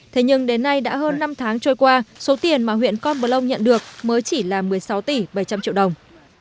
thế nhưng đến nay đã hơn năm tháng trôi qua số tiền mà huyện con bờ lông nhận được mới chỉ là một mươi sáu tỷ bảy trăm linh triệu đồng